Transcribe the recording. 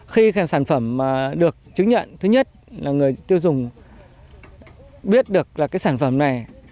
khi sản phẩm được chứng nhận thứ nhất là người tiêu dùng biết được là cái sản phẩm này